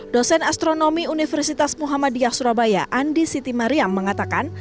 dosen astronomi universitas muhammadiyah surabaya andi siti mariam mengatakan